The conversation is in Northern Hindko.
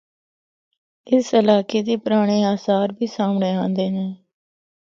اس علاقے دی پرانڑے آثار بھی سامنڑے آندے نے۔